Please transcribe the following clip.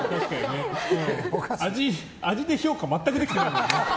味で評価全くできてない。